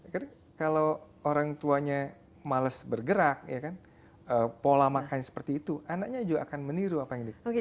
jadi kalau orang tuanya males bergerak pola makan seperti itu anaknya juga akan meniru apa yang dikatakan